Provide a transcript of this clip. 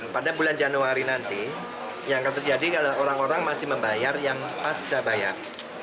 pada bulan januari nanti yang akan terjadi adalah orang orang masih membayar yang pas sudah bayar